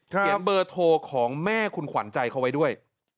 เบอร์โทรของแม่คุณขวัญใจเขาไว้ด้วย